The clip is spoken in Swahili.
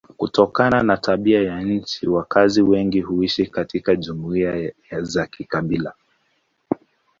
Kutokana na tabia ya nchi wakazi wengi huishi katika jumuiya za kikabila.